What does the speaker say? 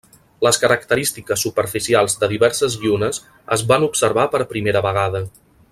Les característiques superficials de diverses llunes es van observar per primera vegada.